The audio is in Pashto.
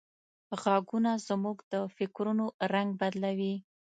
غږونه زموږ د فکرونو رنگ بدلوي.